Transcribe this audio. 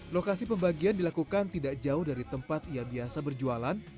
lokasi pembagian dilakukan tidak jauh dari tempat ia biasa berjualan